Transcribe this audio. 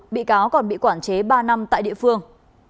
bị cáo còn bị quản chế ba năm tại địa phương